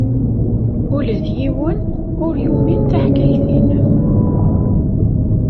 Ula d yiwen ur yumin taḥkayt-nnem.